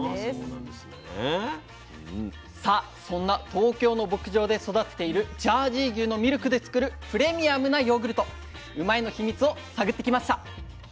さあそんな東京の牧場で育てているジャージー牛のミルクで作るプレミアムなヨーグルトうまいッ！のヒミツを探ってきました。